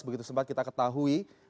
begitu sempat kita ketahui